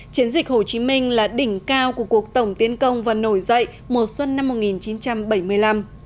chiến dịch hồ chí minh là đỉnh cao của cuộc tổng tiến công và nổi dậy mùa xuân năm một nghìn chín trăm bảy mươi năm